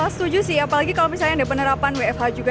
setuju sih apalagi kalau misalnya ada penerapan wfh juga